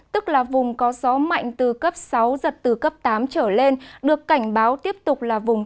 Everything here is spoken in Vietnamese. tức là vùng có gió mạnh từ cấp sáu giật từ cấp tám trở lên được cảnh báo tiếp tục là vùng